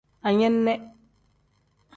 Anene.